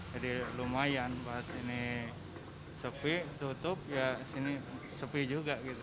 jadi lumayan pas ini sepi tutup ya sini sepi juga gitu